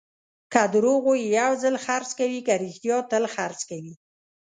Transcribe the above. که دروغ ووایې، یو ځل خرڅ کوې؛ که رښتیا، تل خرڅ کوې.